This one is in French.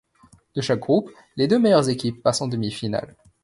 De chaque groupe, les deux meilleures équipes passent en demi-finales.